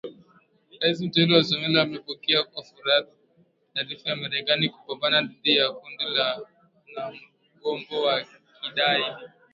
Rais Mteule wa Somalia amepokea kwa furaha taarifa ya Marekani kupambana dhidi ya kundi la wanamgambo wa Kigaidi.